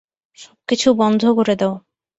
সবকিছু বন্ধ করে দাও।